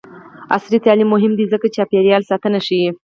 عصري تعلیم مهم دی ځکه چې چاپیریال ساتنه ښيي.